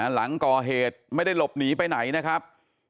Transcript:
หลังก่อเหตุไม่ได้หลบหนีไปไหนนะครับ